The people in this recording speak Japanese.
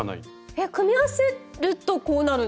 えっ組み合わせるとこうなるんですか？